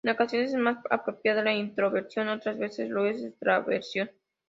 En ocasiones es más apropiada la introversión, otras veces lo es la extraversión.